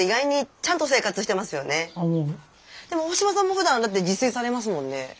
でも大島さんもふだんだって自炊されますもんね。